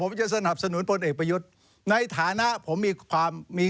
นี่นี่นี่นี่นี่นี่